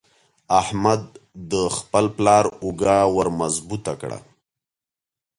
احمد د خپل پلار اوږه ور مضبوطه کړه.